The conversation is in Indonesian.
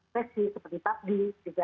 kalau vaksinasi influenza itu diperbesar